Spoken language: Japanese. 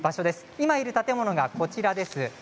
今いる建物が、こちらです。